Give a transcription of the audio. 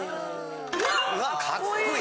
うわかっこいい。